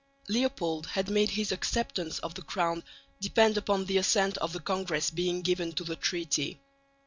Leopold had made his acceptance of the crown depend upon the assent of the Congress being given to the Treaty.